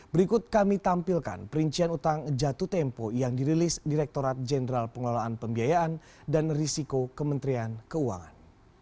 berikut kami tampilkan perincian utang jatuh tempo yang dirilis direkturat jenderal pengelolaan pembiayaan dan risiko kementerian keuangan